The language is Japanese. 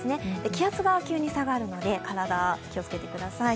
気圧が急に下がるので体、気をつけてください。